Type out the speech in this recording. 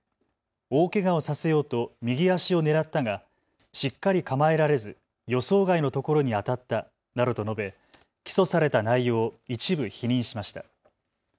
大けがをさせようと右足を狙ったがしっかり構えられず、予想外のところに当たったなどと述べ起訴された内容を一部否認しました。